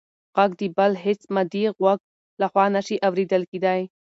غږ د بل هېڅ مادي غوږ لخوا نه شي اورېدل کېدی.